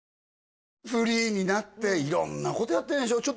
フリーになって色んなことやってるんでしょ？